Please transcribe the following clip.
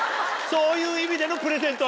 そういう意味でのプレゼント？